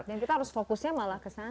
dan kita harus fokusnya malah kesana ya